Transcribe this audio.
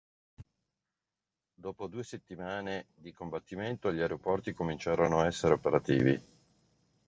Dopo due settimane di combattimenti gli aeroporti cominciarono a essere operativi.